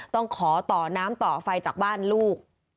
ต้องขอต่อน้ำต่อไฟจากบ้านลูก